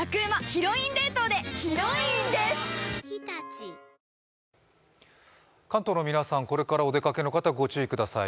なんとイメージが関東の皆さん、これからお出かけの方、ご注意ください。